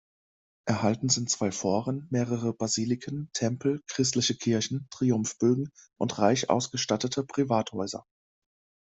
Erhalten sind zwei Foren, mehrere Basiliken, Tempel, christliche Kirchen, Triumphbögen und reich ausgestattete Privathäuser.